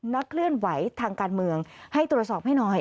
นักเคลื่อนไหวทางการเมืองให้ตรวจสอบให้หน่อย